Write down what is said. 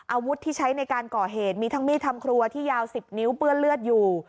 อาวุธที่ใช้ในการก่อเหตุมีทั้งมีดทำครัวที่ยาว๑๐นิ้วเปื้อนเลือดอยู่